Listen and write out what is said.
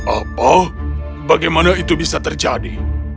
apa bagaimana itu bisa terjadi